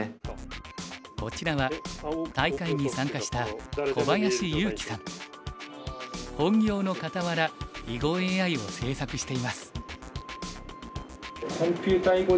こちらは大会に参加した本業のかたわら囲碁ＡＩを制作しています。